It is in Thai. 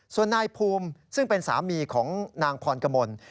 ส่วนนายภูมิซึ่งเป็นสามีของนางพรกมล